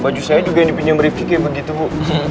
baju saya juga yang dipinjam rifki kayak begitu bu